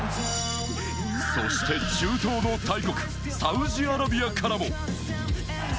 そして中東の大国・サウジアラビアからも。